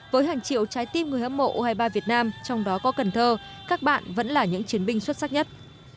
với hàng triệu trái tim người hâm mộ u hai mươi ba việt nam trong đó có cần thơ các bạn vẫn là những chiến binh xuất sắc nhất